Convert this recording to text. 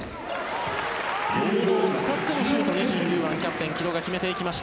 ボードを使ってのシュートキャプテン、城戸が決めていきました。